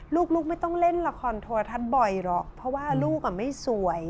ลูกไม่ต้องเล่นละครโทรทัศน์บ่อยหรอกเพราะว่าลูกไม่สวย